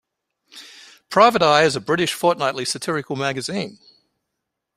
Private Eye is a British fortnightly satirical magazine.